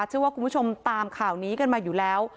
เชื่อว่าคุณผู้ชมตามข่าวนี้กันมาอยู่แล้ว